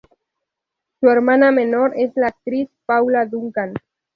Su hermana menor es la actriz Paula Duncan.